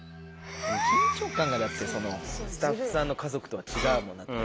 緊張感がだってスタッフさんの家族とは違うもん。